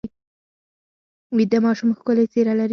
ویده ماشوم ښکلې څېره لري